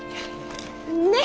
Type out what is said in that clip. ねっ！